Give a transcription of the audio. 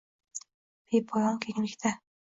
Bepoyon kenglikda